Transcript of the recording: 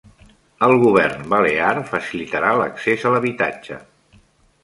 El govern balear facilitarà l'accés a l'habitatge